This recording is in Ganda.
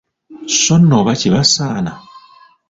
So nno oba kibasaana!